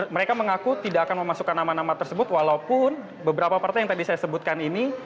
mereka mengaku tidak akan memasukkan nama nama tersebut walaupun beberapa partai yang tadi saya sebutkan ini